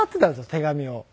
手紙を。